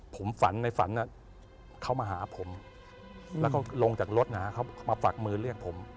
ผมฝันในฝันเขามาหาผมแล้วก็ลงจากรถเขามาฝักมือเรียกผม